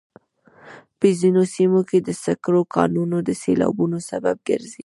په ځینو سیمو کې د سکرو کانونه د سیلابونو سبب ګرځي.